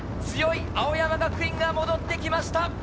強い青山学院が戻ってきました。